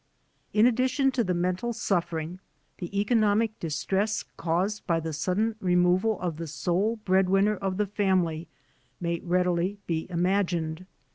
In addition to the mental suffering, the economic dis tress caused by the sudden removal of the sole bread winner of the family may readily be imagined.